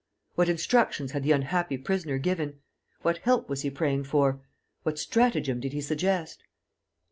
What instructions had the unhappy prisoner given? What help was he praying for? What stratagem did he suggest?